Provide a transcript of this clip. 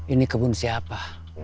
ini kebun siapa